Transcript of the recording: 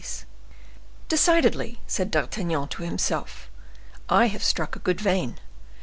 Decidedly," said D'Artagnan to himself, "I have struck a good vein.